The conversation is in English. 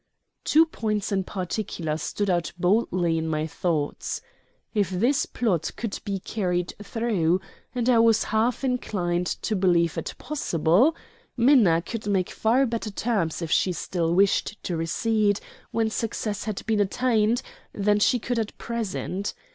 Two points in particular stood out boldly in my thoughts: If this plot could be carried through and I was half inclined to believe it possible Minna could make far better terms, if she still wished to recede, when success had been attained than she could at present.